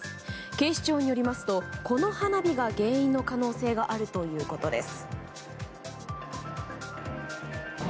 警視庁によりますとこの花火が原因の可能性があるということです。